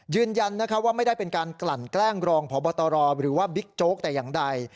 ยืนยันว่าไม่ได้เป็นการกลั่นแกล้งรองพบตรหรือว่าบิ๊กโจ๊กแต่อย่างใด